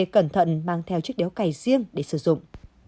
cẩn thận mang theo chiếc đéo cày riêng để sử dụng